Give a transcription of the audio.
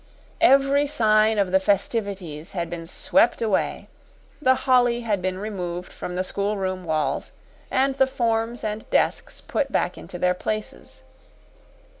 Every sign of the festivities had been swept away; the holly had been removed from the schoolroom walls, and the forms and desks put back into their places.